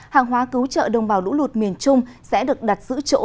hàng hóa cứu trợ đồng bào lũ lụt miền trung sẽ được đặt giữ chỗ